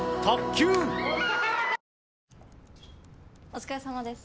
お疲れさまです